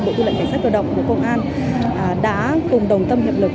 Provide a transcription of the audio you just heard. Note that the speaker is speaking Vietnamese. bộ tư lệnh cảnh sát đầu động của công an đã cùng đồng tâm hiệp lực